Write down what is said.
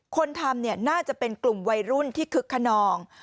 คนทำน่าจะเป็นกลุ่มวัยรุ่นที่คึกขนอง